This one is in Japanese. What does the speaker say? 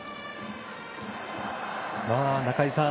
中居さん